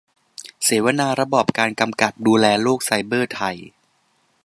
เสวนาระบอบการกำกับดูแลโลกไซเบอร์ไทย